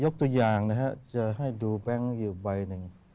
ตัวอย่างนะครับจะให้ดูแบงค์อยู่ใบหนึ่ง